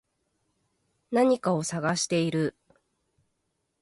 何かを探している